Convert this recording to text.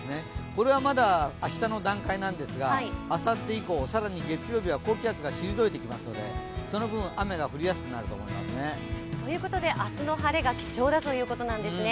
これはまだ明日の段階なんですが、あさって以降、更に月曜日は高気圧が退いてきますのでその分、雨が降りやすくなると思いますね。ということで明日の晴れが貴重だということなんですね。